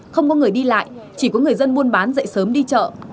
không có người đi lại chỉ có người dân buôn bán dậy sớm đi chợ